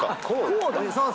こうだ。